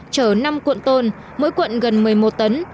chở năm cuộn tôn mỗi cuộn gần một mươi một tấn